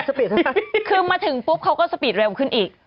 อ๋อสปีดสปีดคือมาถึงปุ๊บเขาก็สปีดเร็วขึ้นอีก